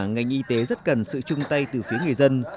ngành y tế rất cần sự chung tay từ phía người dân